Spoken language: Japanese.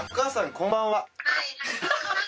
こんばんは。